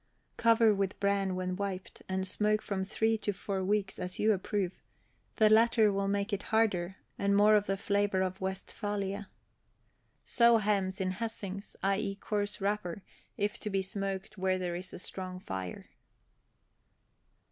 Cover with bran when wiped, and smoke from three to four weeks, as you approve; the latter will make it harder, and more of the flavor of Westphalia. Sew hams in hessings, i. e. coarse wrapper, if to be smoked where there is a strong fire.